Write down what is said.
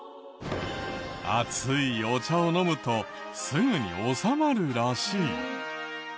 熱いお茶を飲むとすぐに治まるらしい！？